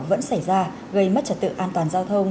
vẫn xảy ra gây mất trật tự an toàn giao thông